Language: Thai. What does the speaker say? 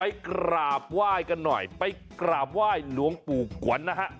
กราบไหว้กันหน่อยไปกราบไหว้หลวงปู่กวนนะฮะ